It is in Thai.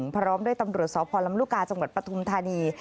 พร้อมด้วยตำรวจสพลำลูกกาจังหวัดปฐุมธานี